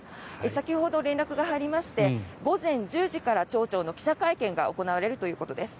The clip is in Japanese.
先ほど連絡が入りまして午前１０時から町長の記者会見が行われるということです。